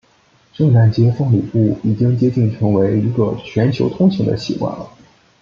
圣诞节送礼物已经接近成为一个全球通行的习惯了。